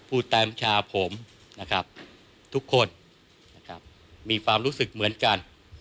ผู้แต่งชาผมทุกคนมีความรู้สึกเหมือนกัน